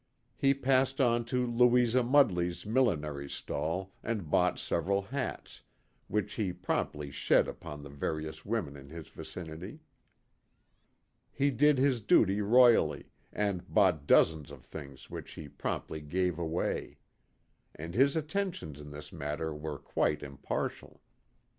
He passed on to Louisa Mudley's millinery stall and bought several hats, which he promptly shed upon the various women in his vicinity. He did his duty royally, and bought dozens of things which he promptly gave away. And his attentions in this matter were quite impartial.